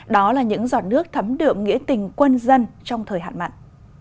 đó là những giọt nước thấm đượm nghĩa tình quân dân trong thời hạn mặn